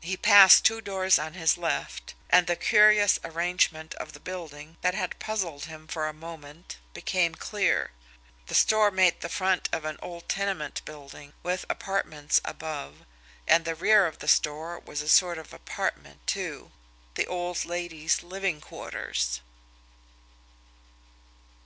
He passed two doors on his left and the curious arrangement of the building that had puzzled him for a moment became clear. The store made the front of an old tenement building, with apartments above, and the rear of the store was a sort of apartment, too the old lady's living quarters.